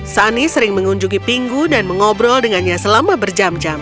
sunny sering mengunjungi pingu dan mengobrol dengannya selama berjalan